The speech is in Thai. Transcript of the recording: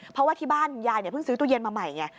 เพราะว่าที่บ้านคุณยายเพิ่งซื้อตู้เย็นมาใหม่ไง